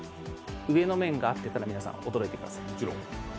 上の面が合ってたら、皆さん驚いてください。